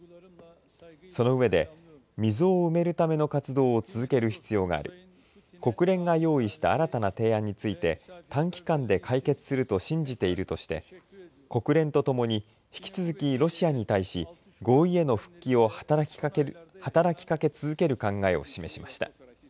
その上で、溝を埋めるための活動を続ける必要がある国連が用意した新たな提案について短期間で解決すると信じているとして国連とともに引き続きロシアに対し合意への復帰を働きかけ続ける考えを示しました。